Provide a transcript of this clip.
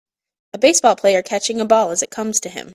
A baseball player catching a ball as it comes to him